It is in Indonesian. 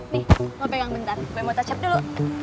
nih lo pegang bentar gue mau touch up dulu